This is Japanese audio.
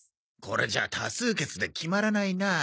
これじゃ多数決で決まらないな。